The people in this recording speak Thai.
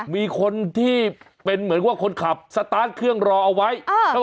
มีคนที่เป็นเหมือนว่าคนขับสตาร์ทเครื่องรอเอาไว้